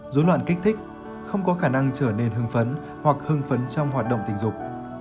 dối loạn kích thích không có khả năng trở nên hưng phấn hoặc hưng phấn trong hoạt động tình dục